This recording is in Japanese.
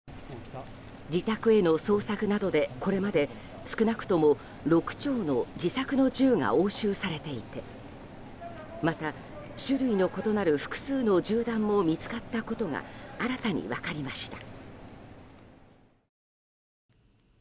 自宅への捜索などでこれまで少なくとも６丁の自作の銃が押収されていてまた、種類の異なる複数の銃弾も見つかったことが新たに分かりました。